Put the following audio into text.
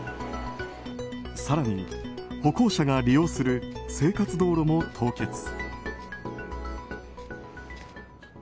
更に歩行者が利用する生活道路も凍結。